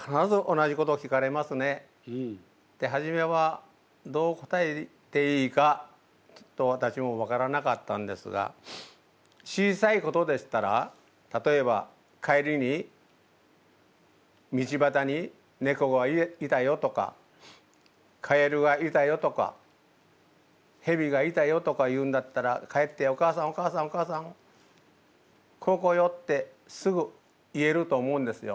初めはどう答えていいか私も分からなかったんですが小さいことでしたら例えば「帰りに道ばたにネコがいたよ」とか「カエルがいたよ」とか「ヘビがいたよ」とか言うんだったら帰って「お母さんお母さんお母さんこうこうよ」ってすぐ言えると思うんですよ。